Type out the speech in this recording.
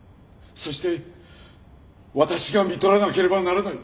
そして私がみとらなければならない。